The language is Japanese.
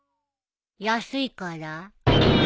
安いから？